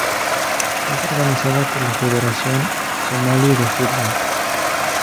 Es organizada por la Federación Somalí de Fútbol.